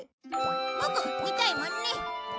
ボク見たいもんね。